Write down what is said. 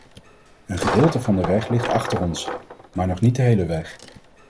Een gedeelte van de weg ligt achter ons, maar nog niet de hele weg.